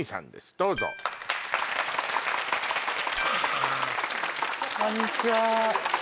どうぞこんにちは